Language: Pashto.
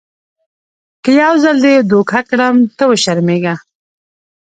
که یو ځل دې دوکه کړم ته وشرمېږه .